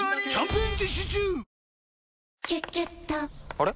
あれ？